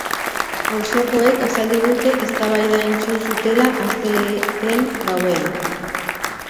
Auzokoek azaldu dute eztabaida entzun zutela astelehen gauean.